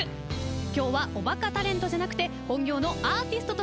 今日はおバカタレントじゃなくて本業のアーティストとして歌います。